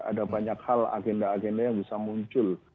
ada banyak hal agenda agenda yang bisa muncul